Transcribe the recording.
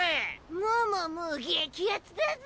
ももも激アツだぜ！